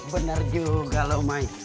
bener juga lo may